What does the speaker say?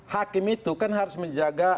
hakim itu kan harus menjaga